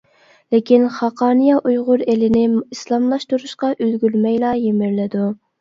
لېكىن خاقانىيە ئۇيغۇر ئېلىنى ئىسلاملاشتۇرۇشقا ئۈلگۈرمەيلا يىمىرىلىدۇ.